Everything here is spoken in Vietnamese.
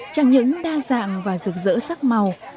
chẳng những đa dạng và rực rỡ sắc màu